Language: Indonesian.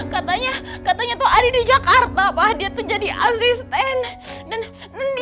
katanya katanya tuh adi di jakarta pak dia tuh jadi asisten dan dia enggak punya pacar